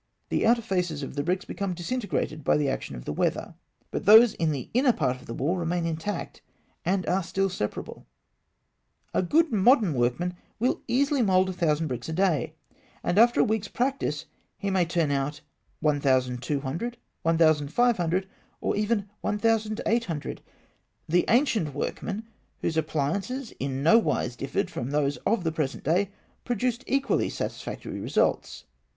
The outer faces of the bricks become disintegrated by the action of the weather, but those in the inner part of the wall remain intact, and are still separable. A good modern workman will easily mould a thousand bricks a day, and after a week's practice he may turn out 1,200, 1,500, or even 1,800. The ancient workmen, whose appliances in no wise differed from those of the present day, produced equally satisfactory results.